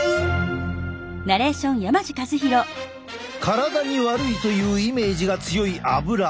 体に悪いというイメージが強いアブラ。